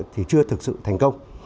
thì chưa thực sự thành công